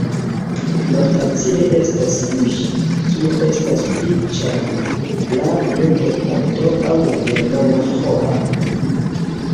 Malfacile estas juĝi, kio estas pli ĉarma, la jodelkanto aŭ la germana ĥoralo.